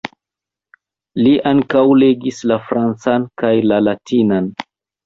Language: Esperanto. Li ankaŭ legis la francan kaj la latinan.